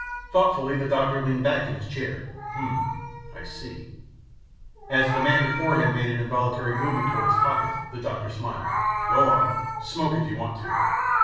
Thoughtfully, the doctor leaned back in his chair, "Hm m m ... I see." As the man before him made an involuntary movement toward his pocket, the doctor smiled, "Go on, smoke if you want to."